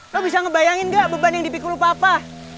lu bisa ngebayangin gak beban yang dipikir lu papa